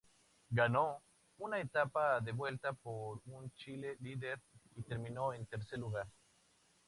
Ganó una etapa de Vuelta por un Chile Líder y terminó en tercer lugar.